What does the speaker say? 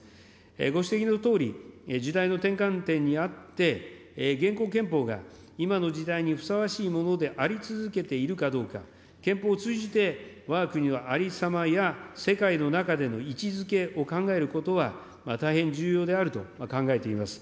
ご指摘のとおり、時代の転換点にあって、現行憲法が今の時代にふさわしいものであり続けているかどうか、憲法を通じて、わが国のありさまや、世界の中での位置づけを考えることは、大変重要であると考えています。